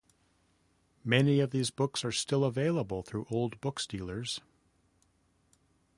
Many of these books are still available through old-books dealers.